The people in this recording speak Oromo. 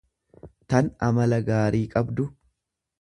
tan amala gaarii qabdu